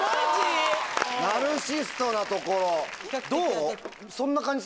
ナルシストなところ。